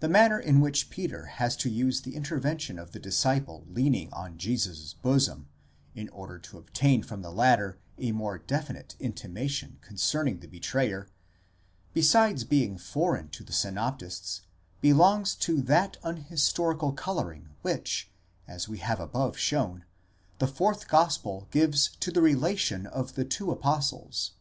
The manner in which Peter has to use the intervention of the disciple leaning on Jesus' bosom, in order to obtain from the latter a more definite intimation concerning the betrayer, besides being foreign to the synoptists, belongs to that unhistorical colouring which, as we have above shown, the fourth gospel gives to the relation of the two apostles.